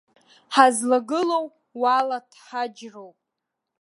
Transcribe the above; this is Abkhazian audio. Ҳазлагылоу уалаҭхаџьроуп.